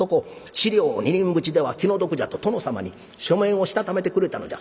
四両二人扶持では気の毒じゃと殿様に書面をしたためてくれたのじゃ。